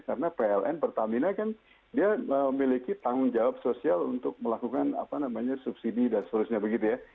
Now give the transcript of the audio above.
karena pln pertamina kan dia memiliki tanggung jawab sosial untuk melakukan apa namanya subsidi dan seterusnya begitu ya